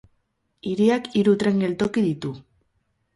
Hiriak hiru tren geltoki ditu.